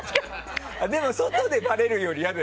でも、外でバレるよりね。